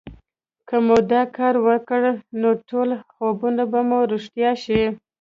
که مو دا کار وکړ نو ټول خوبونه به مو رښتيا شي